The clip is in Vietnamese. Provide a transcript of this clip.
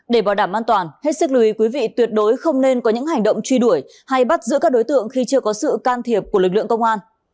để bảo đảm an toàn hết sức lưu ý quý vị tuyệt đối không nên có những hành động truy đuổi hay bắt giữ các đối tượng khi chưa có sự can thiệp của lực lượng công an